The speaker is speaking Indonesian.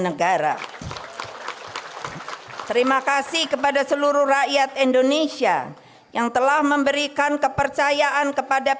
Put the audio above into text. negara terima kasih kepada seluruh rakyat indonesia yang telah memberikan kepercayaan kepada